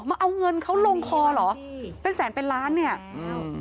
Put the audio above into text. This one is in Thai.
มาเอาเงินเขาลงคอเหรอเป็นแสนเป็นล้านเนี่ยอ้าว